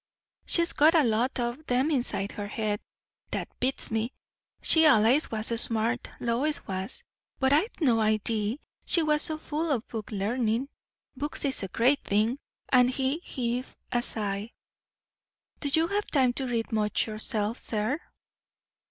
"She's got a lot o' 'em inside her head. That beats me! She allays was smart, Lois was; but I'd no idee she was so full o' book larnin'. Books is a great thing!" And he heaved a sigh. "Do you have time to read much yourself, sir?"